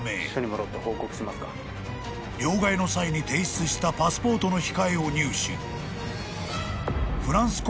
［両替の際に提出したパスポートの控えを入手］